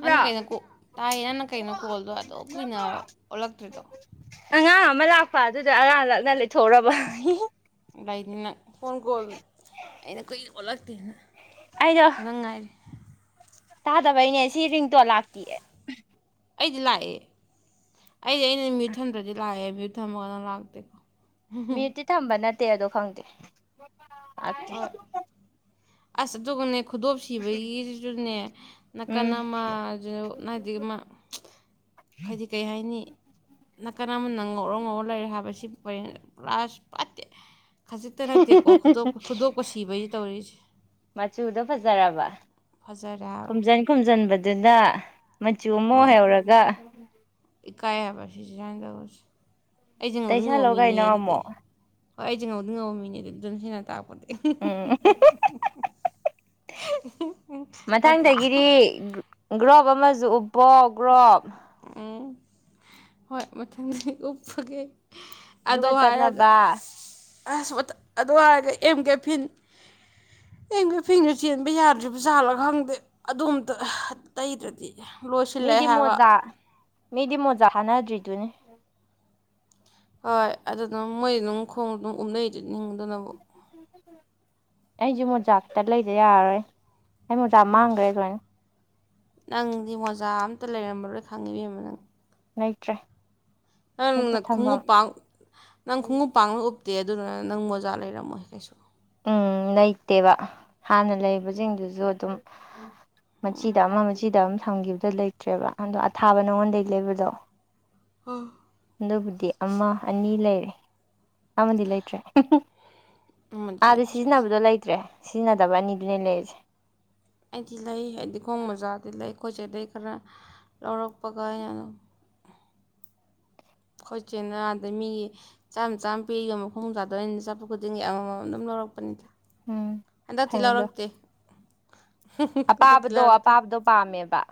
ꯅꯪꯅ ꯀꯩꯅꯣ ꯀꯣ ꯇꯥꯏꯌꯦ ꯅꯪꯅ ꯀꯩꯅꯣ ꯀꯣꯜꯗꯣ ꯑꯗꯨꯛ ꯀꯨꯏꯅ [unintelligible] ꯑꯣꯜꯂꯛꯇ꯭ꯔꯤꯗꯣ ꯑꯉꯥꯡ ꯑꯃ ꯂꯥꯛꯄ ꯑꯗꯨꯗꫭ ꯑꯉꯥꯡ ꯂꯥꯛꯅ ꯂꯩꯊꯣꯛꯎꯔꯕ ꯂꯩꯅꯤ ꯅꯪ ꯐꯣꯟ ꯀꯣꯜ ꯑꯩꯅ ꯀꯨꯏ ꯑꯣꯜꯂꯛꯇꯦꯅ ꯑꯩꯗꯣ ꯅꯪ ꯉꯥꯏꯔꯤ ꯇꯥꯗꯕꯩꯅꯦ ꯁꯤ ꯔꯤꯡꯇꯣꯟ ꯂꯥꯛꯇꯦꯌꯦ ꯑꯩꯗꯤ ꯂꯥꯛꯑꯦ ꯑꯩꯗꯤ ꯑꯩꯅ ꯃꯌꯨꯠ ꯊꯝꯗꯔꯗꯤ ꯂꯥꯛꯑꯦ ꯃꯌꯨꯠ ꯊꯝꯃꯒꯅ ꯂꯥꯛꯇꯦ ꯃꯌꯨꯠꯇꯤ ꯊꯝꯕ ꯅꯠꯇꯦ ꯑꯗꯣ ꯈꯪꯗꯦ ꯂꯥꯛꯇꯦ ꯍꯣꯏ ꯑꯁ ꯑꯗꯨꯒꯅꯦ ꯈꯨꯗꯣꯞ ꯁꯤꯕꯒꯤꯁꯤꯁꯨꯅꯦ ꯅꯥꯀꯟ ꯎꯝ ꯑꯃꯖꯨ- ꯑꯃꯗꯤ ꯑꯃ ꯍꯥꯏꯗꯤ ꯀꯩ ꯍꯥꯏꯅꯤ ꯅꯥꯀꯟ ꯑꯃꯟꯅ ꯉꯧꯔꯣ ꯉꯧꯔ ꯂꯩꯔꯦ ꯍꯥꯏꯕꯁꯤ ꯄꯔꯦꯡ ꯄ꯭ꯂꯥꯁ ꯐꯠꯇꯦ ꯈꯖꯤꯛꯇ ꯅꯠꯇꯦꯀꯣ ꯈꯨꯗꯣꯞ ꯈꯨꯗꯣꯞꯀꯁꯤꯕꯒꯤ ꯇꯧꯔꯤꯁꯦ ꯃꯆꯨꯗꯣ ꯐꯖꯔꯕ ꯐꯖꯔꯦ ꯍꯥꯏꯕ ꯈꯨꯝꯖꯤꯟ ꯈꯨꯝꯖꯤꯟꯕꯗꯨꯅ ꯃꯆꯨ ꯑꯃ ꯑꯣ ꯑꯣꯏꯍꯧꯔꯒ ꯏꯀꯥꯏ ꯍꯥꯏꯕ ꯁꯤꯁꯦ ꯁꯨꯃꯥꯏ ꯇꯧꯕꯁꯤ ꯑꯩꯁꯦ ꯉꯧꯗꯤ ꯉꯧꯕ ꯇꯩꯁꯜꯂꯣ ꯃꯤꯅꯦ ꯀꯩꯅꯣ ꯑꯗꯨꯗꯤ ꯑꯃꯨꯛ ꯍꯣꯏ ꯑꯩꯗꯤ ꯉꯧꯗꯤ ꯉꯧꯕ ꯃꯤꯅꯦ ꯍꯥꯏꯁꯦ ꯑꯗꯨꯝ ꯁꯤꯅ ꯇꯥꯛꯄꯅꯦ ꯎꯝ ꯅꯠꯇ꯭ꯔꯥ ꯃꯊꯪꯗꯒꯤꯗꯤ ꯒ꯭ꯔꯣꯞ ꯑꯃꯁꯨ ꯎꯞꯄꯣ ꯒ꯭ꯔꯣꯞ ꯎꯝ ꯍꯣꯏ ꯃꯊꯪꯗ ꯎꯞꯄꯒꯦ ꯑꯗꯨ ꯑꯗꯨꯒ ꯍꯥꯏꯔꯒ ꯆꯠꯅꯕ ꯑꯁ ꯑꯗꯨ ꯍꯥꯏꯔꯒ ꯑꯦꯝ ꯀꯦꯐꯤꯟ ꯑꯦꯝꯀꯦꯐꯤꯟꯁꯨ ꯆꯦꯟꯕ ꯌꯥꯗ꯭ꯔꯤꯕꯖꯥꯠꯂ ꯈꯪꯗꯦ ꯑꯗꯣꯝꯇ ꯇꯩꯗ꯭ꯔꯗꯤ ꯂꯣꯏ ꯃꯤꯗꯤ ꯃꯣꯖꯥ ꯃꯤꯗꯤ ꯃꯣꯖꯥ ꯍꯥꯟꯅꯗ꯭ꯔꯤꯗꯨꯅꯤ ꯍꯣꯏ ꯑꯗꯨꯗꯨꯝ ꯃꯣꯏꯗꯤ ꯑꯗꯨꯝ ꯈꯣꯡ ꯑꯗꯨꯝ ꯎꯞꯅꯩꯗꯨ ꯅꯤꯗꯨꯅꯕꯨ ꯑꯩꯁꯨ ꯃꯣꯖꯥꯇ ꯂꯩꯗ ꯌꯥꯔꯔꯣꯏ ꯑꯩ ꯃꯣꯖꯥ ꯃꯥꯡꯈ꯭ꯔꯦ ꯂꯣꯏꯅ ꯅꯪꯗꯤ ꯃꯣꯖꯥ ꯑꯝꯇ ꯂꯩꯔꯝꯃꯔꯣꯏ ꯈꯪꯉꯤ ꯏꯕꯦꯝꯃ ꯅꯪ ꯂꯩꯇ꯭ꯔꯦ ꯅꯪꯅ ꯂꯩꯄ ꯊꯝꯐꯝ ꯈꯣꯡꯎꯞ ꯄꯥꯡ ꯅꯪ ꯈꯣꯡꯎꯞ ꯄꯥꯡꯅ ꯎꯞꯇꯦ ꯑꯗꯨꯗꯨ ꯅꯪ ꯃꯣꯖꯥ ꯂꯩꯔꯝꯃꯣꯏ ꯀꯩꯁꯨ ꯎꯝ ꯂꯩꯇꯦꯕ ꯍꯥꯟꯅ ꯂꯩꯕꯁꯤꯡꯗꯨꯁꯨ ꯑꯗꯨꯝ ꯃꯆꯤꯗ ꯑꯃ ꯃꯆꯤꯗ ꯑꯃ ꯊꯝꯈꯤꯕꯗ ꯂꯩꯇ꯭ꯔꯦꯕ ꯑꯗꯣ ꯑꯊꯥꯕ ꯅꯉꯣꯟꯗꯒꯤ ꯂꯩꯕꯗꯣ ꯎꯝ ꯑꯗꯨꯕꯨꯗꯤ ꯑꯃ ꯑꯅꯤ ꯂꯩꯔꯦ ꯑꯃꯗꯤ ꯂꯩꯇ꯭ꯔꯦ ꯑꯃꯗꯤ ꯑꯥꯗ ꯂꯩꯇ꯭ꯔꯦ ꯁꯤꯖꯤꯟꯅꯕꯗꯣ ꯂꯩꯇ꯭ꯔꯦ ꯁꯤꯖꯤꯟꯅꯗꯕ ꯑꯅꯤꯗꯨꯅꯦ ꯂꯩꯔꯁꯦ ꯑꯩꯗꯤ ꯂꯩ ꯍꯥꯏꯗꯤ ꯈꯣꯡ ꯃꯣꯖꯥꯗꯤ ꯂꯩ ꯑꯩꯈꯣꯏ ꯆꯦꯗꯒꯤ ꯈꯔ ꯂꯧꯔꯛꯄꯒ ꯑꯩꯅ ꯑꯗꯨꯝ ꯈꯣꯏꯆꯦꯅ ꯑꯗꯩ ꯃꯤꯒꯤ ꯆꯥꯝ ꯆꯥꯝꯃ ꯄꯤꯒ ꯈꯣꯡꯃꯣꯖꯥꯗꯣ ꯆꯠꯄ ꯈꯨꯗꯤꯡꯒꯤ ꯑꯃꯃꯝ ꯑꯗꯨꯝ ꯂꯧꯔꯛꯄ ꯄꯅꯤꯗ ꯎꯝ ꯍꯟꯗꯛꯇꯤ ꯐꯩ ꯑꯗꯣ ꯂꯧꯔꯛꯇꯦ ꯍꯟꯗꯛꯇꯤ ꯑꯄꯥꯕꯗꯣ ꯂꯧꯔꯛꯇꯦ ꯑꯄꯥꯕꯗꯣ ꯄꯥꯝꯃꯦꯕ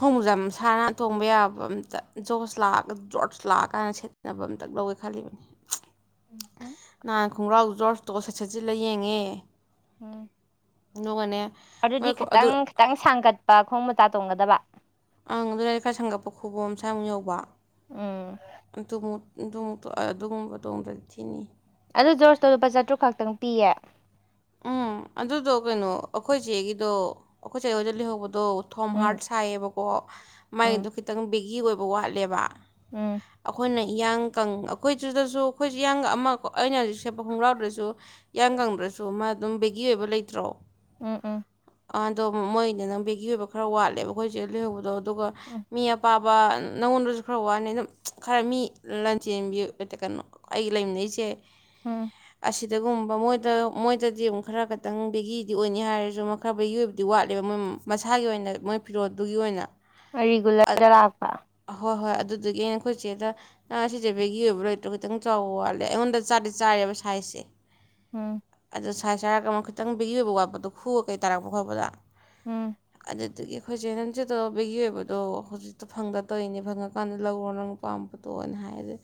ꯈꯣꯡꯃꯣꯖꯥ ꯃꯁꯥꯥ ꯅꯟꯅ ꯇꯣꯡꯕ ꯌꯥꯕ ꯑꯝꯇ ꯖꯣꯔꯁ ꯂꯥꯛꯑꯒ ꯖꯣꯔꯖ ꯂꯥꯛꯑꯀꯥꯟꯗ ꯁꯦꯠꯅꯕ ꯑꯝꯇ ꯂꯧꯋꯦ ꯈꯜꯂꯤꯕ ꯅꯍꯥꯟ ꯈꯣꯡꯒ꯭ꯔꯥꯎ ꯖꯣꯔꯁꯇꯣ ꯁꯠ ꯁꯠꯆꯤꯜꯂ ꯌꯦꯡꯉꯦ ꯎꯝ ꯑꯗꯨꯒꯅꯦ ꯑꯗꯨꯗꯤ ꯃꯣꯏ ꯈꯨ- ꯑꯗꯨ ꯈꯤꯇꯪ ꯈꯤꯇꯪ ꯁꯥꯡꯒꯠꯄ ꯈꯣꯡ ꯃꯣꯖꯥ ꯇꯣꯡꯒꯗꯕ ꯑꯪ ꯑꯗꯨꯗꯏꯗꯤ ꯈꯔ ꯁꯪꯒꯠꯄ ꯈꯨꯕꯣꯝ ꯁꯥꯏꯃꯨꯛ ꯌꯧꯕ ꯎꯝ ꯑꯗꯨꯒꯨꯝ ꯑꯗꯨꯃꯨꯛ ꯑꯗꯨꯒꯨꯝꯕ ꯇꯣꯡꯗ꯭ꯔ ꯊꯤꯅꯤ ꯑꯗꯨ ꯖꯣꯔꯖꯇꯣ ꯂꯨꯄꯥ ꯆꯥꯇ꯭ꯔꯨꯛ ꯈꯛꯇꯪ ꯄꯤꯌꯦ ꯎꯝ ꯑꯗꯨꯗꯣ ꯀꯩꯅꯣ ꯑꯩꯈꯣꯏ ꯆꯦꯒꯤꯗꯣ ꯑꯩꯈꯣꯏꯆꯦ ꯍꯣꯏꯗ ꯂꯩꯍꯧꯕꯗꯣ ꯑꯗꯣ ꯊꯣꯝ ꯎꯝ ꯍꯥꯔꯠ ꯍꯥꯏꯌꯦꯕꯀꯣ ꯎꯝ ꯃꯥꯏꯗꯣ ꯈꯤꯇꯪ ꯕꯦꯒꯤ ꯑꯣꯏꯕ ꯋꯥꯠꯂꯦꯕ ꯎꯝ ꯑꯩꯈꯣꯏꯅ ꯏꯌꯥꯡꯀꯪ ꯑꯩꯈꯣꯏꯗꯨꯗꯁꯨ ꯑꯩꯈꯣꯏꯁꯨ ꯏꯌꯥꯡꯒ ꯑꯃ ꯑꯩꯅ ꯍꯧꯖꯤꯛ ꯁꯦꯠꯄ ꯈꯣꯡꯒ꯭ꯔꯥꯎꯗꯨꯁꯨ ꯏꯌꯥꯡ ꯀꯪꯗ꯭ꯔꯁꯨ ꯃꯥ ꯑꯗꯨꯝ ꯕꯦꯒꯤ ꯑꯣꯏꯕ ꯂꯩꯇ꯭ꯔꯣ ꯎꯝ ꯎꯝ ꯑ ꯑꯗꯣ ꯃꯣꯏꯗ ꯅꯪ ꯕꯦꯒꯤ ꯑꯣꯏꯕ ꯈꯔ ꯋꯥꯠꯂꯦꯕ ꯑꯩꯈꯣꯏꯆꯦ ꯂꯩꯍꯧꯕꯗꯣ ꯑꯗꯨꯒ ꯎꯝ ꯃꯤ ꯑꯄꯥ ꯅꯪꯉꯣꯟꯗꯁꯨ ꯈꯔ ꯋꯥꯅꯤ ꯑꯗꯨꯝ ꯈꯔ ꯃꯤ ꯂꯟ ꯆꯦꯟꯕꯤ ꯀꯩꯅꯣ ꯑꯩ ꯂꯩꯃꯤꯟꯅꯩꯁꯦ ꯎꯝ ꯑꯁꯤꯗꯒꯨꯝꯕ ꯃꯣꯏꯗ ꯃꯣꯏꯗꯗꯤ ꯑꯃꯨꯛ ꯈꯔ ꯈꯇꯪ ꯕꯦꯒꯤꯗꯤ ꯑꯣꯏꯅꯤ ꯍꯥꯏꯔꯁꯨ ꯈꯔ ꯕꯦꯒꯤ ꯑꯣꯏꯕꯗꯤ ꯋꯥꯠꯂꯦꯕ ꯃꯣꯏ ꯃꯁꯥꯒꯤ ꯑꯣꯏꯅ ꯃꯣꯏ ꯐꯤꯔꯣꯠꯇꯨꯒꯤ ꯑꯣꯏꯅ ꯑꯔꯤꯒꯨꯂꯔꯗ ꯂꯥꯛꯄ ꯑꯍꯣꯏ ꯍꯣꯏ ꯑꯗꯨꯗꯨꯗꯒꯤ ꯑꯩꯅ ꯑꯩꯈꯣꯏ ꯆꯦꯗ ꯁꯤꯁꯦ ꯕꯦꯒꯤ ꯑꯣꯏꯕ ꯂꯣꯏꯇ꯭ꯔꯣ ꯈꯤꯇꯪ ꯆꯥꯎꯕ ꯋꯥꯠꯂꯦ ꯑꯩꯉꯣꯟꯗ ꯆꯥꯗꯤ ꯆꯥꯔꯦꯕ ꯁꯥꯏꯖꯁꯦ ꯎꯝ ꯑꯗꯨꯗ ꯁꯥꯏꯖ ꯍꯥꯏꯔꯒ ꯑꯃꯨꯛ ꯈꯤꯇꯪ ꯕꯦꯒꯤ ꯑꯣꯏꯕ ꯋꯥꯠꯄꯗꯣ ꯈꯨꯔ ꯀꯩ ꯇꯥꯔꯛꯄ ꯈꯣꯠꯄꯗ ꯎꯝ ꯑꯗꯨꯗꯒꯤ ꯑꯩꯈꯣꯏꯁꯦ ꯅꯪ ꯆꯦ ꯇꯕꯒꯤ ꯑꯣꯏꯕꯗꯣ ꯍꯧꯖꯤꯛꯇꯣ ꯐꯪꯒ ꯇꯧꯔꯤꯅꯦ ꯐꯪꯉꯀꯥꯟꯗ ꯂꯧꯔꯣ ꯅꯪ ꯄꯝꯄ ꯇꯣꯑꯅ ꯍꯥꯏꯔꯦ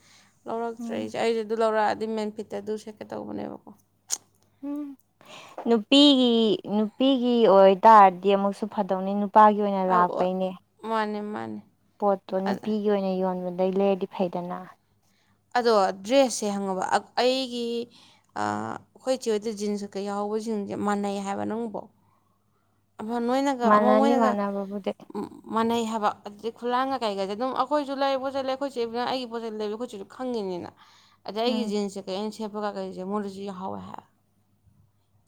ꯂꯧꯔꯛꯇ꯭ꯔꯦ ꯎꯝ ꯑꯩꯖꯦ ꯑꯩꯗꯤ ꯑꯗꯨ ꯂꯧꯔꯛꯑꯗꯤ ꯃꯦꯟ ꯐꯤꯠꯇ ꯑꯗꯨ ꯁꯦꯠꯀꯦ ꯇꯧꯕꯅꯦꯕꯀꯣ ꯎꯝ ꯅꯨꯄꯤꯒꯤ ꯅꯨꯄꯤꯒꯤ ꯑꯣꯏꯇꯥꯔꯗꯤ ꯑꯃꯨꯛꯁꯨ ꯐꯗꯧꯅꯤ ꯄꯥꯒꯤ ꯑꯣꯏꯅ ꯂꯥꯛꯄꯩꯅꯦ ꯃꯥꯅꯦ ꯃꯥꯅꯦ ꯄꯣꯠꯇꯣ ꯅꯨꯄꯤꯒꯤ ꯑꯣꯏꯅ ꯌꯣꯟꯕꯗꯩ ꯂꯩꯔꯗꯤ ꯐꯩꯗꯅ ꯑꯗꯣ ꯗ꯭ꯔꯦꯁꯁꯦ ꯈꯪꯉꯕ ꯑꯩꯒꯤ ꯑꯥ ꯑꯈꯣꯏ ꯆꯦ ꯍꯣꯏꯗ ꯖꯤꯟꯁ ꯀꯀꯩ ꯌꯥꯍꯧꯕꯖꯤꯡꯖꯦ ꯃꯥꯟꯅꯩ ꯍꯥꯏꯕ ꯅꯪꯕꯣ ꯅꯣꯏꯅꯒ ꯑꯃ ꯃꯥꯟꯅꯅꯤ ꯃꯣꯏꯅꯒ ꯃꯥꯟꯅꯕꯕꯨꯗꯤ ꯎ ꯃꯥꯟꯅꯩ ꯍꯥꯏꯕ ꯑꯗꯨꯗꯩꯩ ꯈꯨꯂꯥꯡꯒ ꯀꯩꯒꯖꯦ ꯑꯗꯨꯝ ꯑꯩꯈꯣꯏꯁꯨ ꯂꯩ ꯄꯣꯠ ꯆꯩ ꯂꯩ ꯑꯩꯈꯣꯏꯆꯦꯒ ꯑꯩꯒꯤ ꯄꯣꯠ ꯆꯩ ꯂꯩꯕ ꯑꯈꯣꯏꯆꯦꯁꯨ ꯈꯪꯉꯤꯅꯤꯅ ꯑꯗ ꯑꯩꯒꯤ ꯎꯝ ꯖꯤꯟꯁꯁꯦ [unintelligible] ꯃꯉꯣꯟꯗꯖꯨ ꯌꯥꯍꯧꯋꯦ ꯍꯥ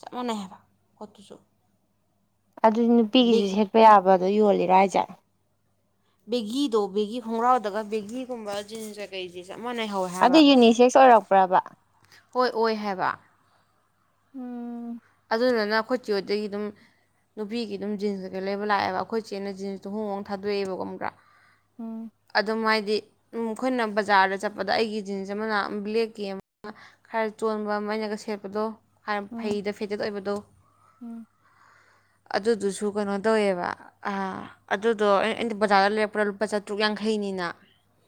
ꯆꯞ ꯃꯥꯅꯩ ꯍꯥꯏꯕ ꯄꯣꯠꯇꯨꯁꯨ ꯑꯗꯨꯗꯤ ꯅꯨꯄꯤꯒꯤꯖꯨ ꯕꯦꯒꯤ ꯁꯦꯠꯄ ꯌꯥꯕꯗꯣ ꯌꯣꯜꯂꯤꯔꯣ ꯍꯥꯏꯖꯦ ꯕꯦꯒꯤꯗꯣ ꯕꯦꯒꯤ ꯈꯣꯡꯒ꯭ꯔꯥꯎꯗꯒ ꯕꯦꯒꯤꯒꯨꯝꯕ ꯖꯤꯟꯁ ꯀꯩꯀꯩꯖꯦ ꯆꯞ ꯃꯥꯅ ꯍꯧꯋꯦ ꯑꯗꯨ ꯌꯨꯅꯤꯁꯦꯛꯁ ꯑꯣꯏꯔꯛꯄ꯭ꯔꯕ ꯍꯣꯏ ꯑꯣꯏ ꯍꯥꯏꯕ ꯎꯝ ꯑꯗꯨꯗꯨꯅ ꯑꯈꯣꯏ ꯆꯦ ꯍꯣꯏꯗꯩꯩ ꯑꯗꯨꯝ ꯅꯨꯄꯤꯒꯤ ꯑꯗꯨꯝ ꯖꯤꯟꯁ ꯀꯀꯩ ꯂꯩꯕ ꯂꯥꯑꯦꯕ ꯑꯈꯣꯏ ꯆꯦꯅ ꯖꯤꯟꯁ ꯇꯣ ꯍꯣꯡꯍꯣꯡ ꯊꯗꯣꯛꯑꯦꯕ ꯈꯪꯕ꯭ꯔꯥ ꯎꯝ ꯑꯗꯨꯝ ꯃꯥꯏꯗꯤ ꯎꯝ ꯑꯈꯣꯏꯅ ꯕꯖꯥꯔꯗ ꯆꯠꯄꯗ ꯑꯩꯒꯤ ꯖꯤꯟꯁ ꯑꯃꯅ [unintelligible] ꯕ꯭ꯂꯦꯛꯀꯤ ꯑꯃ ꯈꯔ ꯆꯣꯟꯕ ꯑꯃ ꯑꯩꯅꯒ ꯁꯦꯠꯄꯗꯣ ꯍꯥꯏꯔꯞ ꯎꯝ ꯐꯩꯗ ꯐꯦꯗꯦꯠ ꯑꯣꯏꯕꯗꯣ ꯎꯝ ꯑꯗꯨꯗꯨꯁꯨ ꯀꯩꯅꯣ ꯇꯧꯋꯦꯕ ꯑ ꯑꯗꯨꯗꯣ ꯑꯩ ꯑꯩꯅ ꯕꯖꯥꯔꯗ ꯂꯩꯔꯛꯄ꯭ꯔꯥ ꯂꯨꯄꯥ ꯆꯥꯇ꯭ꯔꯨꯛ ꯌꯥꯡꯈꯩꯅꯤꯅ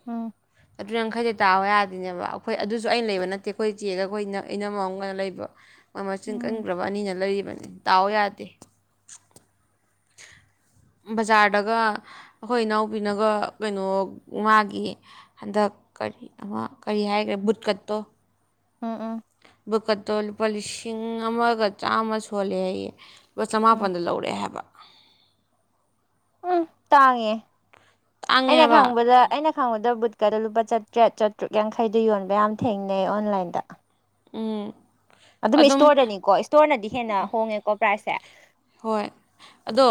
ꯎꯝ ꯆꯥꯇ꯭ꯔꯨꯛ ꯌꯥꯡꯈꯩꯗꯤ ꯇꯥꯎ ꯌꯥꯗ꯭ꯔꯤꯅꯦꯕ ꯑꯈꯣꯏ ꯑꯗꯨꯁꯨ ꯑꯩꯅ ꯂꯩꯕ ꯅꯠꯇꯦ ꯑꯈꯣꯏ ꯆꯦꯒ ꯑꯈꯣꯏ ꯏꯅ ꯏꯅꯝꯃ ꯑꯃꯒꯅ ꯂꯩꯕ ꯃꯣꯏ ꯃꯆꯤꯟ ꯎꯝ ꯀꯟꯒ꯭ꯔꯕ ꯑꯅꯤꯅ ꯂꯩꯔꯤꯕꯅꯤ ꯇꯥꯎ ꯌꯥꯗꯦ ꯕꯖꯥꯔꯗꯒ ꯑꯈꯣꯏ ꯏꯅꯥꯎꯄꯤꯅꯒ ꯀꯩꯅꯣ ꯃꯥꯒꯤ ꯍꯟꯗꯛ ꯀꯔꯤ ꯑꯃ ꯀꯔꯤ ꯍꯥꯏꯒ꯭ꯔꯦ ꯕꯨꯠꯀꯠꯇꯣ ꯎꯝ ꯎꯝ ꯕꯨꯀꯠꯇꯣ ꯂꯨꯄꯥ ꯂꯤꯁꯤꯡ ꯑꯃꯒ ꯆꯥꯝꯃ ꯁꯣꯜꯂꯦ ꯑꯩꯌꯦ ꯂꯄꯥ ꯎꯝ ꯆꯃꯥꯄꯟꯗ ꯂꯧꯔꯛꯑꯦ ꯍꯥꯏꯕ ꯎꯝ ꯇꯥꯡꯉꯦ ꯑꯩꯅ ꯇꯥꯡꯉꯦꯕ ꯈꯪꯕꯗ ꯑꯩꯅ ꯈꯪꯕꯗ ꯕꯨꯠꯀꯗꯣ ꯂꯨꯄꯥ ꯆꯥꯇ꯭ꯔꯦꯠ ꯆꯥꯇ꯭ꯔꯨꯛ ꯌꯥꯡꯈꯩꯗ ꯌꯣꯟꯕ ꯌꯥꯝ ꯊꯦꯡꯅꯩ ꯑꯣꯟꯂꯥꯏꯟꯗ ꯎꯝ ꯑꯗꯨꯝ ꯏꯁꯇꯣꯔꯗꯅꯤꯀꯣ ꯏꯁꯇꯣꯔꯅꯗꯤ ꯍꯦꯟꯅ ꯍꯣꯡꯉꯦꯀꯣ ꯄ꯭ꯔꯥꯏꯁꯁꯦ ꯍꯣꯏ ꯑꯗꯣ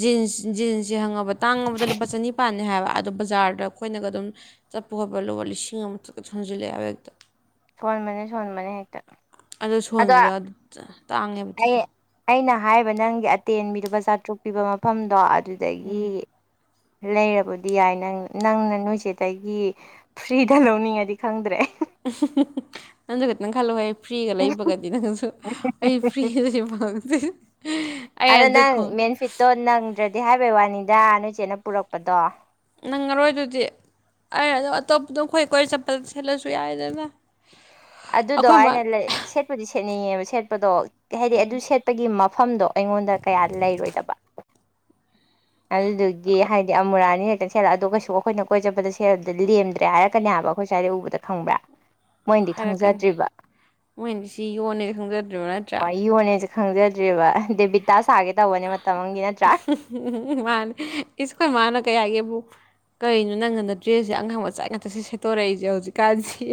ꯖꯤꯟꯁ ꯖꯤꯟꯁꯁꯦ ꯈꯪꯉꯕ ꯇꯥꯡꯉꯕꯗ ꯂꯨꯄꯥ ꯆꯅꯤꯄꯥꯥꯟꯅꯤ ꯍꯥꯏꯕ ꯑꯗꯣ ꯕꯖꯥꯔꯗ ꯑꯩꯈꯣꯏꯅꯒ ꯑꯗꯨꯝ ꯆꯠꯄ ꯈꯣꯠꯄ ꯂꯨꯕ ꯂꯤꯁꯤꯡ ꯑꯃ ꯁꯠꯀ ꯁꯣꯟꯖꯤꯜꯂꯛꯑꯦꯕ ꯍꯦꯛꯇ ꯁꯣꯟꯕꯅꯦ ꯁꯣꯟꯕꯅꯦ ꯍꯦꯛꯇ ꯑꯗꯣ ꯇꯥꯡꯉꯦꯕ ꯑꯩ ꯑꯗꯨꯗꯣ ꯑꯩꯅ ꯍꯥꯏꯕ ꯅꯪꯒꯤ ꯑꯇꯦꯟꯕꯤ ꯂꯨꯄꯥ ꯆꯥꯇ꯭ꯔꯨꯛ ꯄꯤꯕ ꯃꯐꯝꯗꯣ ꯑꯗꯨꯗꯒꯤ ꯂꯩꯔꯕꯨꯗꯤ ꯌꯥꯏ ꯅꯪ ꯅꯪꯅ ꯅꯣꯏꯆꯦꯗꯒꯤ ꯐ꯭ꯔꯤꯗ ꯂꯧꯅꯤꯡꯉꯗꯤ ꯈꯪꯗ꯭ꯔꯦ ꯅꯪꯖꯨ ꯈꯤꯇꯪ ꯈꯜꯂꯨꯍꯦ ꯐ꯭ꯔꯤꯒ ꯂꯩꯕꯒꯗꯤ ꯅꯪꯖꯨ ꯑꯩ ꯐ꯭ꯔꯤꯗꯗꯤ ꯐꯪꯗꯦ ꯑꯩ ꯑꯗꯨꯏ ꯈꯣꯡ ꯇꯣ ꯅꯪꯗ꯭ꯔꯗꯤ ꯍꯥꯏꯕꯩ ꯋꯥꯅꯤꯗ ꯅꯣꯏꯆꯦꯅ ꯄꯨꯔꯛꯄꯗꯣ ꯅꯪꯉꯔꯣꯏ ꯑꯗꯨꯗꯤ ꯑꯩ ꯑ ꯑꯇꯣꯞꯄꯗ ꯈꯣꯏ ꯀꯣꯏ ꯆꯠꯄꯗ ꯁꯦꯠꯂꯁꯨ ꯌꯥꯏꯗꯅ ꯑꯗꯨꯗꯣ ꯑꯩꯈꯣꯏ ꯃꯥ ꯑꯩꯅ ꯂꯩ ꯁꯦꯠꯄꯨꯗꯤ ꯁꯦꯠꯅꯤꯡꯉꯦꯕ ꯁꯦꯠꯄꯗꯣ ꯍꯥꯏꯗꯤ ꯑꯗꯨ ꯁꯦꯠꯄꯒꯤ ꯃꯐꯝꯗꯣ ꯑꯩꯉꯣꯟꯗ ꯀꯌꯥ ꯂꯩꯔꯣꯏꯗꯕ ꯑꯗꯨꯗꯨꯒꯤ ꯑꯩꯈꯣꯏ ꯍꯥꯏꯗꯤ ꯑꯃꯨꯔꯛ ꯑꯅꯤꯔꯛ ꯁꯦꯂ ꯑꯗꯨ ꯀꯩꯁꯨ ꯑꯈꯣꯏꯅ ꯀꯣꯏ ꯆꯠꯄꯗ ꯁꯦꯜꯗ ꯂꯦꯝꯗ꯭ꯔꯦ ꯍꯥꯏꯔꯛꯀꯅꯦ ꯍꯥꯏꯕ ꯑꯈꯣꯏ ꯁ꯭ꯋꯥꯏꯗ ꯎꯕꯗ ꯈꯪꯕ꯭ꯔꯥ ꯃꯣꯏꯅꯗꯤ ꯍꯥꯏꯔꯛꯀꯅꯤ ꯈꯪꯖꯗ꯭ꯔꯤꯕ ꯃꯣꯏꯅ ꯁꯤ ꯌꯣꯅꯦ ꯈꯪꯖꯗ꯭ꯔꯤꯕ ꯅꯠꯇ꯭ꯔꯥ ꯏꯌꯣꯟꯅꯦꯁꯦ ꯈꯪꯖꯗ꯭ꯦꯕ ꯗꯦꯕꯤꯇꯥ ꯁꯥꯒꯦ ꯇꯧꯕꯅꯦ ꯃꯇꯝꯒꯤ ꯅꯠꯇ꯭ꯔꯥ ꯎꯝ ꯃꯥꯅꯦ ꯏꯁꯨ ꯀꯣꯏ ꯃꯥꯅ ꯀꯩ ꯍꯥꯏꯒꯦꯕꯨ ꯀꯩꯅꯣ ꯅꯪꯅ ꯗ꯭ꯔꯦꯁꯦ ꯑꯉꯥꯡ ꯃꯆꯥꯥꯛ ꯉꯥꯛꯇ ꯁꯤ ꯁꯦꯠꯇꯣꯔꯛꯏꯁꯦ ꯍꯧꯖꯤꯛ ꯀꯥꯁꯤ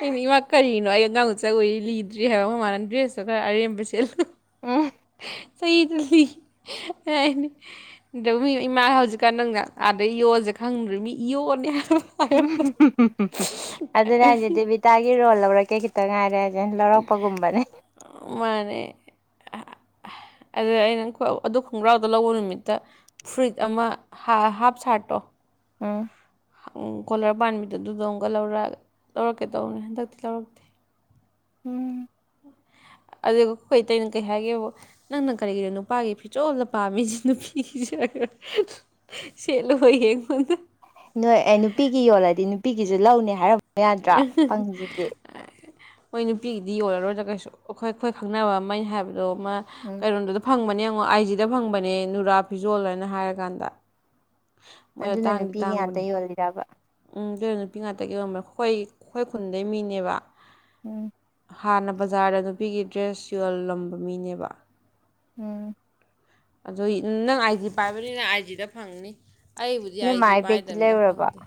ꯑꯩꯅ ꯏꯃꯥ ꯀꯔꯤꯅꯣ ꯑꯩ ꯑꯉꯥꯡꯆ ꯆꯛ ꯎ ꯂꯤꯗ꯭ꯔꯤ ꯍꯥꯏꯕ ꯑꯃ ꯃꯥꯟꯅꯗ꯭ꯔꯦ ꯁꯣ ꯈꯔ ꯑꯔꯦꯝꯕꯁꯦ ꯎ ꯁꯩ ꯆꯜꯂꯤ ꯑꯦꯅꯤ ꯑ ꯃꯤ ꯏꯃꯥ ꯍꯧꯖꯤꯛꯀꯥꯟ ꯅꯪꯅ ꯑꯥꯗꯩ ꯌꯣꯁꯦ ꯈꯪꯗ꯭ꯔꯔꯤ ꯃꯤ ꯏꯣꯅꯦ ꯍꯥꯏ ꯎ ꯑꯗꯨꯅ ꯍꯥꯏꯁ ꯗꯦꯕꯤꯇꯥꯒꯤ ꯔꯣꯜ ꯂꯧꯔꯛꯀꯦ ꯈꯤꯇ ꯉꯥꯏꯔꯦ ꯩꯅ ꯂꯧꯔꯛꯄꯒꯨꯝꯕꯅꯦ ꯃꯥꯅꯦ ꯑꯗꯨ ꯑꯩꯅ ꯑꯗꯨ ꯈꯣꯡꯒ꯭ꯔꯥꯎꯗ ꯂꯧꯕ ꯅꯨꯃꯤꯠꯇ ꯐꯨꯏꯠ ꯑꯃ ꯍꯥꯞ ꯁꯥꯔꯠꯇꯣ ꯎꯝ ꯀꯣꯂꯔ ꯄꯥꯟꯕꯥꯟꯕꯤꯗꯣ ꯑꯗꯨꯗ ꯑꯃꯨꯛꯀ ꯂꯧꯔ ꯂꯧꯔꯛꯀꯦ ꯇꯧꯔꯅꯦ ꯍꯟꯗꯛꯇꯤ ꯂꯧꯔꯛꯇꯦ ꯎꯝ ꯑꯗꯨꯒ ꯑꯩꯈꯣꯏꯇꯩꯩꯅꯣ ꯀꯩ ꯍꯥꯏꯒꯦꯕꯨ ꯅꯪꯅ ꯀꯔꯤꯒꯤꯅꯣ ꯅꯨꯄꯥꯒꯤ ꯐꯤꯖꯣꯜꯗ ꯄꯥꯝꯃꯤꯁꯤ ꯅꯨꯄꯤꯒꯤꯁꯤ ꯁꯂ ꯍ ꯌꯦꯡꯉꯣꯟꯗ ꯅꯣꯏ ꯑꯦ ꯅꯨꯄꯤꯒꯤ ꯌꯣꯜꯂꯗꯤ ꯅꯨꯄꯤꯒꯤꯁꯨ ꯂꯧꯅꯦ ꯍꯥꯏꯔꯝꯃ ꯌꯥꯗ꯭ꯔꯥ ꯐꯪꯁꯤꯗꯤ ꯃꯣꯏ ꯅꯨꯄꯤꯒꯤꯗꯤ ꯌꯣꯜꯂꯔꯣꯏꯗ꯭ꯔ ꯀꯩꯁꯨ ꯑꯩꯈꯣꯏ ꯑꯩꯈꯣꯏ ꯈꯪꯅꯕ ꯑꯃ ꯍꯥꯏꯕꯗꯣꯃ ꯎꯝ ꯀꯩꯅꯔꯣꯝꯗꯨꯗ ꯐꯪꯕꯅꯦꯡꯉꯣ ꯑꯥꯏꯖꯤꯗ ꯐꯪꯕꯅꯦ ꯅꯨꯔꯥ ꯐꯤꯖꯣꯜ ꯍꯥꯏꯅ ꯍꯥꯏꯔꯀꯥꯟꯗ ꯃꯣꯏꯗꯣ ꯑꯗꯨꯅ ꯇꯥꯡꯗꯤ ꯅꯨꯄꯤꯒꯤ ꯉꯥꯛꯇ ꯇꯥꯡꯕꯅꯦ ꯌꯣꯜꯂꯤꯔꯕ ꯎꯝ ꯇ ꯅꯨꯄꯤ ꯉꯥꯛꯇ ꯌꯧꯔꯝꯕ ꯈꯣꯏ ꯈꯣꯏ ꯈꯨꯟꯗꯩ ꯃꯤꯅꯦꯕ ꯎꯝ ꯍꯥꯟꯅ ꯕꯖꯥꯔꯗ ꯅꯨꯄꯤꯒꯤ ꯗ꯭ꯔꯦꯁ ꯌꯣꯜꯂꯝꯕ ꯃꯤꯅꯦꯕ ꯎꯝ ꯑꯗꯨ ꯅꯪ ꯑꯥꯏ ꯖꯤ ꯄꯥꯏꯕꯅꯤꯅ ꯑꯥꯏ ꯖꯤꯗ ꯐꯪꯅꯤ ꯑꯩꯕꯨꯗꯤ ꯅꯣꯏ ꯑꯥꯏ ꯖꯤ ꯃꯥꯏ ꯕꯦꯒꯇꯤ ꯄꯥꯏꯗꯕꯅꯤꯅ ꯂꯩꯔꯨꯔꯕꯣ ꯐꯪꯗꯦ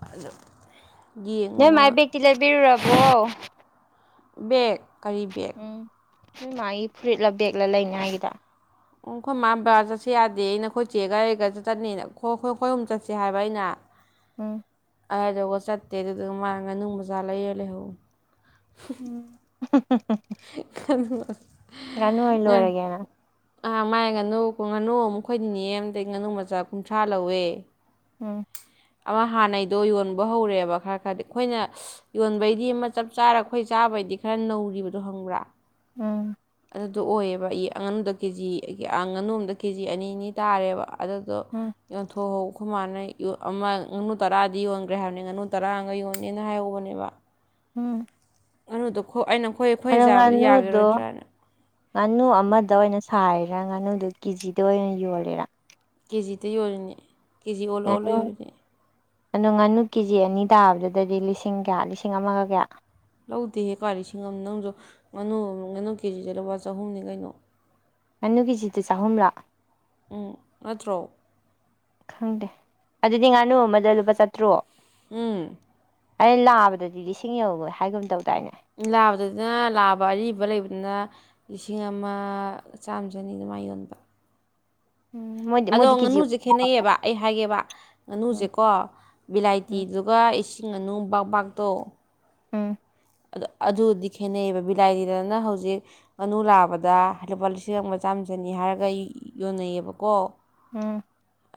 ꯑꯗꯨꯗ ꯅꯣꯏ ꯃꯥꯏ ꯕꯦꯒꯛꯇꯤ ꯂꯩꯕꯤꯔꯨꯔꯕꯣ ꯕꯒ ꯀꯥꯔꯤ ꯕꯒ ꯎꯝ ꯍꯣꯏ ꯃꯥꯒꯤ ꯐꯨꯔꯤꯠꯂ ꯕꯦꯒꯂ ꯂꯩꯅꯤꯉꯥꯏꯒꯤꯗ ꯎ ꯑꯩꯈꯣꯏ ꯃꯥ ꯕꯥ ꯆꯠꯁꯤ ꯌꯥꯗꯦ ꯑꯩꯅ ꯑꯩꯈꯣꯏ ꯆꯦꯒꯔꯤꯒ ꯆꯠ ꯆꯠꯅꯤꯅ ꯑꯩꯣꯏ ꯑꯩꯈꯣꯏ ꯑꯨꯝ ꯆꯠꯁꯦ ꯍꯥꯏꯕ ꯑꯩꯅ ꯎꯝ ꯑꯩꯔꯒ ꯆꯠꯇꯦ ꯑꯗꯨꯗꯨꯒ ꯃꯥꯡꯒ ꯅꯨꯡ ꯃ ꯆꯥꯂꯌꯦꯦꯜ ꯂꯩꯍ ꯍ [unintelligible] ꯉꯅꯨ ꯏꯂ ꯋꯥꯔꯒꯦꯅ ꯑꯥ ꯃꯥꯏ ꯉꯥꯅꯨ ꯉꯥꯅꯨ ꯃꯈꯣꯏ ꯅ ꯑꯗꯒꯤꯩ ꯉꯥꯅꯨ ꯃꯆꯥ ꯀꯨꯟꯊ꯭ꯔꯥ ꯂꯧꯋꯦ ꯎꯝ ꯑꯃ ꯍꯥꯟꯅꯩꯗꯣ ꯌꯣꯟꯕ ꯍꯧꯔꯦꯕ ꯈꯔ ꯈꯔꯗꯤ ꯑꯩꯈꯣꯏꯅ ꯌꯣꯟꯕꯩꯗꯤ ꯑꯃ ꯆꯞ ꯆꯥꯔ ꯑꯩꯈꯣꯏ ꯆꯥꯕꯩꯗꯤ ꯈꯔ ꯅꯧꯔꯤꯕꯗꯣ ꯍꯪꯕ꯭ꯔꯥ ꯎꯝ ꯑꯗꯨꯗꯣ ꯑꯣꯏꯌꯦꯕ ꯏ ꯑꯉꯥꯅꯨꯗ ꯀꯦꯖꯤ ꯉꯥꯅꯨ ꯑꯝꯗ ꯀꯦꯖꯤ ꯑꯅꯤ ꯑꯅꯤ ꯇꯥꯔꯦꯕ ꯑꯗꯨꯗꯣ ꯎꯝ ꯌꯣꯟꯊꯣꯛꯍꯧꯕ ꯈꯨ ꯃꯥꯥꯟꯅꯩ ꯑꯃ ꯉꯥꯅꯨ ꯇꯔꯥꯗꯤ ꯌꯣꯟꯈ꯭ꯔꯦ ꯍꯥꯏꯕꯅꯤ ꯉꯥꯅꯨ ꯇꯔꯥꯒ ꯌꯣꯟꯅꯦꯦꯅ ꯍꯥꯏꯍꯧꯕꯅꯦꯕ ꯎꯝ ꯑꯗꯨꯗꯣ ꯑꯩꯅ ꯑꯩꯈꯣꯏ ꯑꯩꯈꯣꯏ ꯑꯗꯣ ꯆꯥꯕꯗꯤ ꯉꯥꯅꯨꯗꯣ ꯌꯥꯈꯤꯔꯣꯏꯗ꯭ꯔꯥꯅ ꯉꯥꯅꯨ ꯑꯃꯗ ꯑꯣꯏꯅ ꯁꯥꯔꯤꯔꯥ ꯉꯥꯅꯨꯗꯨꯣ ꯀꯦꯖꯤꯗ ꯑꯣꯏꯅ ꯌꯣꯜꯂꯦꯔꯥ ꯀꯦꯖꯤꯗ ꯌꯣꯔꯤꯅꯦ ꯀꯦꯖꯤ ꯑꯣꯜꯂ ꯑꯣꯜꯂ ꯉꯥꯅꯨ ꯌꯣꯔꯤꯅꯦ ꯑꯗꯣ ꯉꯥꯅꯨ ꯀꯦ ꯖꯤ ꯑꯅꯤ ꯇꯥꯕꯗꯨꯗꯗꯤ ꯂꯤꯁꯤꯡ ꯀꯌꯥ ꯂꯤꯁꯤꯡ ꯑꯃꯒ ꯀꯌꯥ ꯂꯧꯗꯦꯍꯦꯛꯀꯥ ꯂꯤꯁꯤꯡ ꯑꯃ ꯅꯪꯁꯨ ꯉꯥꯅꯨ ꯉꯥꯅꯨ ꯀꯦꯖꯤꯁꯦ ꯂꯨꯄꯥ ꯆꯍꯨꯝꯅꯤ ꯀꯩꯅꯣ ꯉꯥꯅꯨ ꯀꯦꯖꯤꯗ ꯆꯥꯍꯨꯝꯔꯥ ꯎꯝ ꯅꯠꯇ꯭ꯔꯣ ꯈꯪꯗꯦ ꯑꯗꯨꯗꯤ ꯉꯥꯅꯨ ꯑꯃꯗ ꯂꯨꯄꯥ ꯆꯥꯇ꯭ꯔꯨꯛ ꯎꯝ ꯑꯩ ꯂꯥꯛꯑꯕꯗꯗꯤ ꯂꯤꯁꯤꯡ ꯌꯧꯒꯣꯏ ꯍꯥꯏꯒꯨꯝ ꯇꯧꯗꯥꯏꯅꯦ ꯂꯥꯕꯗꯨꯅ ꯂꯥꯑꯕ ꯑꯔꯤꯕ ꯂꯩꯕꯗꯨꯅ ꯂꯤꯁꯤꯡ ꯑꯃ ꯆꯥꯝꯃ ꯆꯅꯤꯗꯃꯥꯏ ꯌꯣꯟꯕ ꯎꯝ ꯃꯣꯏ ꯑꯗꯣ ꯉꯥꯅꯨꯁꯦ ꯈꯦꯠꯅꯩꯌꯦꯕ ꯑꯩ ꯍꯥꯏꯒꯦꯕ ꯎꯝ ꯉꯥꯅꯨꯁꯦꯀꯣ ꯎꯝ ꯕꯤꯂꯥꯏꯇꯤꯗꯨꯒ ꯏꯁꯤꯡ ꯉꯥꯅꯨ ꯕꯝꯕꯥꯛꯇꯣ ꯎꯝ ꯑꯗꯨꯗꯤ ꯈꯦꯠꯅꯩꯑꯕ ꯕꯤꯂꯥꯏꯔꯤꯗꯅ ꯍꯧꯖꯤꯛ ꯉꯥꯅꯨ ꯂꯥꯛꯕꯗ ꯂꯨꯄꯥ ꯂꯤꯁꯤꯡ ꯑꯃꯒ ꯆꯥꯝꯃ ꯆꯅꯤ ꯍꯥꯏꯔꯒ ꯌꯣꯟꯅꯩꯑꯕꯀꯣ ꯎꯝ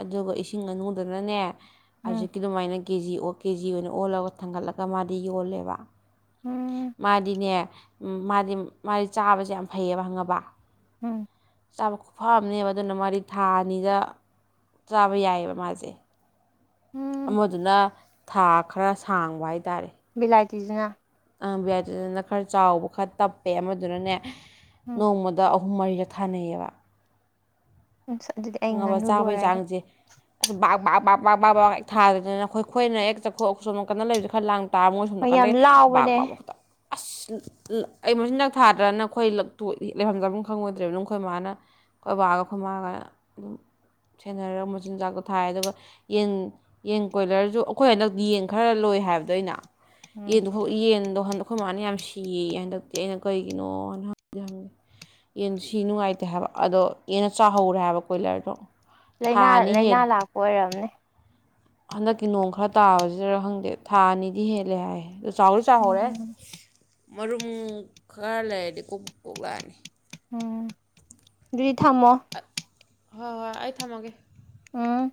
ꯑꯗꯨꯒ ꯏꯁꯤꯡ ꯉꯥꯅꯨꯗꯨꯅꯅꯦ ꯎꯝ ꯍꯧꯖꯤꯛ ꯀ ꯑꯗꯨꯃꯥꯏꯅ ꯀꯦ ꯖꯤ ꯑꯣ ꯀꯦ ꯖꯤ ꯑꯣꯏꯅ ꯑꯣꯜꯂꯒ ꯊꯥꯡꯒꯠꯂꯒ ꯃꯥꯗꯤ ꯌꯣꯜꯂꯦꯕ ꯎꯝ ꯃꯥꯗꯤꯅꯦ ꯃꯥꯗꯤ ꯃꯥꯗꯤ ꯆꯥꯕꯁꯦ ꯌꯥꯝ ꯐꯩꯌꯦꯕ ꯈꯪꯉꯕ ꯎꯝ ꯆꯥꯕ ꯈꯨꯐꯝꯅꯦꯕ ꯑꯗꯨꯅ ꯃꯔꯤ ꯊꯥ ꯑꯅꯤꯗ ꯆꯥꯕ ꯌꯥꯏꯑꯕ ꯃꯥꯁꯦ ꯎꯝ ꯑꯃꯗꯨꯅ ꯊꯥ ꯈꯔ ꯁꯥꯡꯕ ꯍꯥꯏꯇꯥꯔꯦ ꯕꯤꯂꯥꯏꯇꯤꯁꯤꯅ ꯕꯤꯥꯏꯇꯗꯅ ꯈꯔ ꯆꯥꯎꯕ ꯈꯔ ꯇꯞꯄꯦ ꯑꯃꯗꯨꯅꯅꯦ ꯎꯝ ꯅꯣꯡꯃꯗ ꯑꯍꯨꯝ ꯃꯔꯤꯗ ꯊꯥꯅꯩꯌꯦꯕ ꯎꯝ ꯁꯥꯖꯗꯦ ꯈꯪꯉꯕ ꯆꯥꯕꯩ ꯆꯥꯡꯁꯦ ꯑꯁ ꯕꯥ ꯕꯥ ꯕꯥ ꯥꯛ ꯕꯥ ꯕꯥ ꯀꯦꯛ ꯊꯥꯗꯅꯤꯅ ꯑꯩꯣꯏ ꯈꯣꯏꯅ ꯍꯦꯛ ꯆꯠꯈꯣꯛ ꯁꯣ ꯀꯗ ꯂꯩꯕꯁꯨ ꯈꯔ ꯂꯥꯡ ꯇꯥꯔ ꯃꯣꯏ ꯁꯝ ꯍꯣꯏ ꯌꯥꯝ ꯅꯥꯀꯥꯟꯗꯒꯤ ꯂꯥꯎꯕꯅꯦ ꯕꯥꯥꯛꯕꯥꯕꯛꯇ ꯑꯁ ꯑꯩ ꯃꯁꯤ ꯅꯛ ꯊꯥꯗ꯭ꯔꯅꯈꯣꯏ ꯂꯩꯐꯝꯖꯐꯝ ꯈꯪꯉꯣꯏꯗ꯭ꯔꯔꯤꯕꯕꯅ ꯑꯩꯈꯣꯏ ꯃꯥꯅ ꯀꯣꯏꯕꯒ ꯈꯨꯃꯒ ꯑꯗꯨꯝ ꯁꯦꯟꯅꯔꯒ ꯃꯆꯤꯟꯖꯥꯛꯇꯣ ꯊꯥꯏ ꯑꯗꯨꯒ ꯌꯦꯟ ꯌꯦꯟ ꯀꯣꯏꯂꯔꯁꯨ ꯑꯩꯈꯣꯏ ꯍꯟꯗꯛ ꯌꯦꯟ ꯈꯔ ꯂꯣꯏ ꯍꯥꯏꯕꯗꯩꯅ ꯎꯝ ꯌꯦꯟꯗꯨ ꯌꯦꯟꯗꯣ ꯍꯟꯗꯛ ꯑꯩꯈꯣꯏ ꯃꯥꯅ ꯌꯥꯝ ꯁꯤꯌꯦ ꯍꯟꯗꯛꯇꯤ ꯑꯩꯅ ꯀꯩꯒꯤꯅꯣꯅ ꯍꯪꯗꯤꯦ ꯍꯪꯉꯦ ꯌꯦꯟ ꯁꯤ ꯅꯨꯡꯉꯥꯏꯇꯦ ꯍꯥꯏꯕ ꯑꯗꯣ ꯌꯦꯟꯅ ꯆꯥꯍꯧꯔꯦ ꯍꯥꯏꯕ ꯀꯣꯏꯂꯔꯗꯣ ꯊꯥ ꯂꯥꯏꯅꯥ ꯑꯅꯤ ꯂꯥꯏꯅꯥ ꯍꯦꯜꯂꯦ ꯂꯥꯛꯄ ꯑꯣꯏꯔꯝꯅꯦ ꯍꯟꯗꯛꯀꯤ ꯅꯣꯡ ꯈꯔ ꯇꯥꯕꯁꯤꯗꯔ ꯈꯪꯗꯦ ꯊꯥ ꯑꯅꯤꯗꯤ ꯍꯦꯜꯂꯦ ꯍꯥꯏ ꯆꯥꯎꯁꯨ ꯆꯥꯎꯍꯧꯔꯦ ꯎꯝ ꯃꯔꯨꯝ ꯈꯔ ꯂꯩꯔꯗꯤ ꯀꯣꯛ ꯀꯣꯛꯂꯛꯑꯅꯤ ꯎꯝ ꯑꯗꯨꯗꯤ ꯊꯝꯃꯣ ꯍꯣꯏ ꯍꯣꯏ ꯑꯩ ꯊꯝꯃꯒꯦ ꯎꯝ